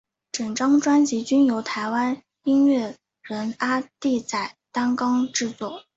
整张专辑均由台湾音乐人阿弟仔担纲制作。